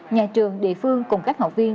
nhà trường địa phương cùng các học viên